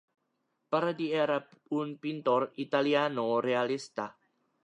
Bardi era un pintor italiano realista.